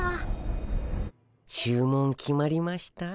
注文決まりました？